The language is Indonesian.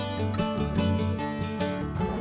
dapat tong sampah